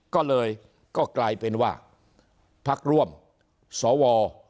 ก็เลยก็กลายเป็นว่าพักร่วมสว